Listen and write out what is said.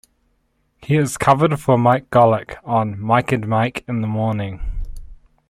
He has covered for Mike Golic on "Mike and Mike in the Morning".